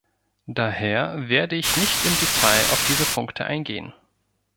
Daher werde ich nicht im Detail auf diese Punkte eingehen.